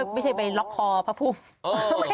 ไม่ใช่ไปล็อคคอพระภูมิ